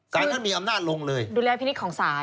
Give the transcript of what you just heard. ท่านมีอำนาจลงเลยดูแลพินิษฐ์ของศาล